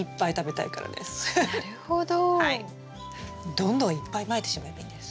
どんどんいっぱいまいてしまえばいいんです。